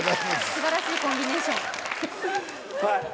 素晴らしいコンビネーション。